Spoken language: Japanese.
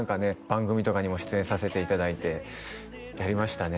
番組とかにも出演させていただいてやりましたね